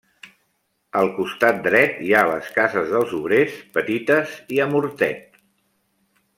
Al costat dret hi ha les cases dels obrers, petites i amb hortet.